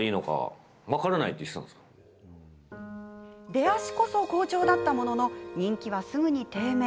出足こそ好調だったものの人気はすぐに低迷。